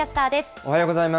おはようございます。